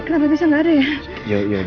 kenapa bisa nggak ada ya